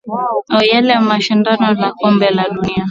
eeh yale mashindano ya kombe la dunia